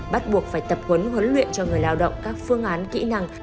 bắt buộc phải tập huấn huấn luyện cho người lao động các phương án kỹ năng